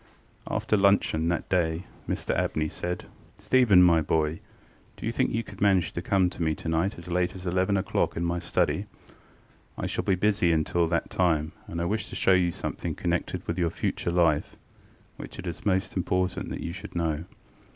After luncheon that day Mr Abney said: ŌĆ£Stephen, my boy, do you think you could manage to come to me tonight as late as eleven oŌĆÖclock in my study? I shall be busy until that time, and I wish to show you something connected with your future life which it is most important that you should know.